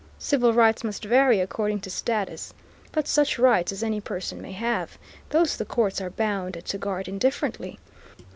Civil rights must vary according to status. But such rights as any person may have, those the courts are bound to guard indifferently.